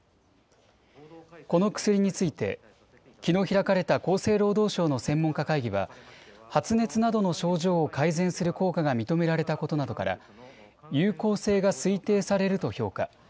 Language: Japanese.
この薬について、きのう開かれた厚生労働省の専門家会議は、発熱などの症状を改善する効果が認められたことなどから、有効性が推定されると評価。